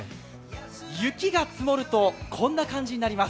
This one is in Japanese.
雪が積もると、こんな感じになります。